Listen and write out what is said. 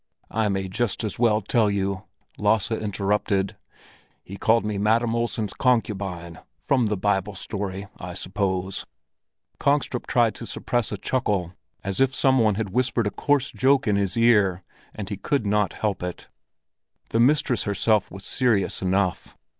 "I may just as well tell you," Lasse interrupted. "He called me Madam Olsen's concubine—from the Bible story, I suppose." Kongstrup tried to suppress a chuckle, as if some one had whispered a coarse joke in his ear, and he could not help it. The mistress herself was serious enough.